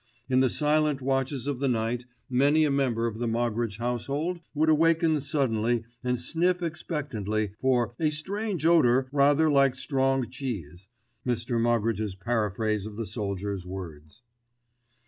In the silent watches of the night, many a member of the Moggridge household would awaken suddenly and sniff expectantly for "a strange odour rather like strong cheese," Mr. Moggridge's paraphrase of the soldier's words.